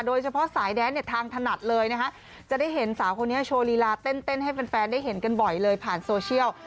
โดยเฉพาะสายแดนเนี่ยทางถนัดเลยนะคะจะได้เห็นสาวคนนี้โชว์ลีลาเต้นให้แฟนได้เห็นกันบ่อยเลยผ่านโซเชียล